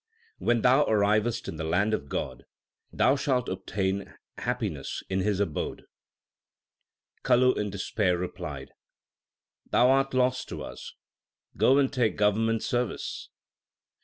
When thou arrivest in the land of God, thou shalt obtain happiness in His abode. Kalu in despair replied, Thou art lost to us ; go and take government service.